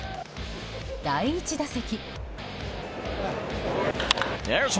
第１打席。